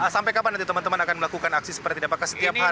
sampai kapan nanti teman teman akan melakukan aksi seperti ini apakah setiap hari